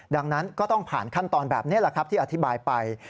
ดังนั้นก็ต้องผ่านขั้นตอนแบบนี้แหละครับที่อธิบายไป